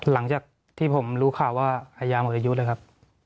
หลังจากที่ผมรู้ข่าวว่าพยายามหมดอายุนะครับ